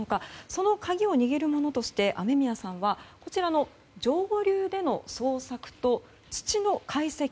その鍵を握るものとして雨宮さんは上流での捜索と土の解析